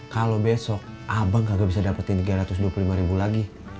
kalau besok abang kagak bisa dapetin rp tiga ratus dua puluh lima lagi